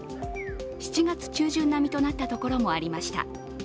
７月中旬並みとなった所もありました。